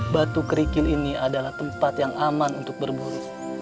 batu kerikin ini adalah tempat yang aman untuk berburu